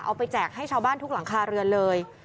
แจกให้ชาวบ้านทุกหลังคาเรือนเลย